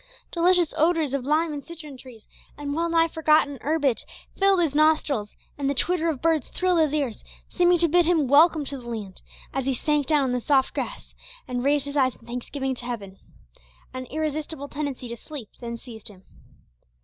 Delicious odours of lime and citron trees, and well nigh forgotten herbage, filled his nostrils, and the twitter of birds thrilled his ears, seeming to bid him welcome to the land, as he sank down on the soft grass, and raised his eyes in thanksgiving to heaven. An irresistible tendency to sleep then seized him.